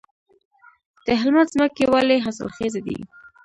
د هلمند ځمکې ولې حاصلخیزه دي؟